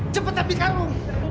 cepet ambil karung